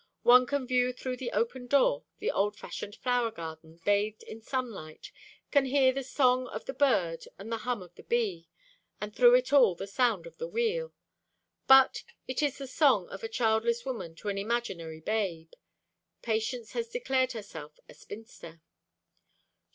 One can view through the open door the old fashioned flower garden bathed in sunlight, can hear the song of the bird and the hum of the bee, and through it all the sound of the wheel. But!—it is the song of a childless woman to an imaginary babe: Patience has declared herself a spinster.